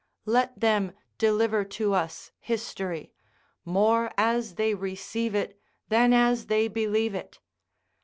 Let them deliver to us history, more as they receive it than as they believe it.